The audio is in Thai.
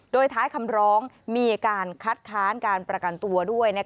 โดยท้ายคำร้องมีการคัดค้านการประกันตัวด้วย